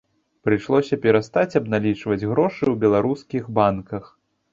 Прыйшлося перастаць абналічваць грошы ў беларускіх банках.